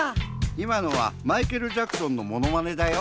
いまのはマイケル・ジャクソンのものまねだよ。